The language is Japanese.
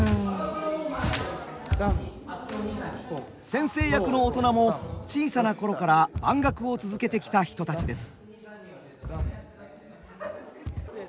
先生役の大人も小さな頃から番楽を続けてきた人たちです。